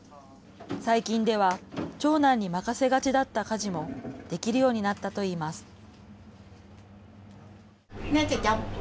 最近では長男に任せがちだった家事もできるようになったといいます。